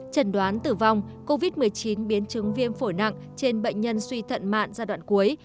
trường hợp tử vong covid một mươi chín biến chứng viêm phổi nặng trên bệnh nhân suy thận mạn giai đoạn cuối